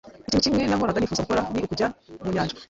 Ikintu kimwe nahoraga nifuza gukora ni ukujya mu nyanja.